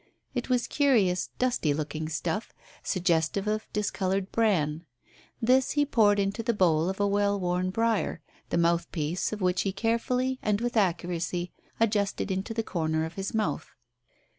It was curious, dusty looking stuff, suggestive of discoloured bran. This he poured into the bowl of a well worn briar, the mouthpiece of which he carefully and with accuracy adjusted into the corner of his mouth.